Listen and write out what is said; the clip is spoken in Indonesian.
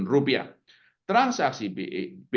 karena bagian transaksi yang anda